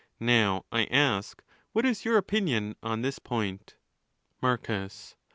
Now, I ask, what is your opinion on this point ¢ Marcus.